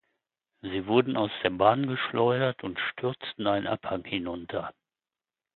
Sie wurden aus der Bahn geschleudert und stürzten einen Abhang hinunter.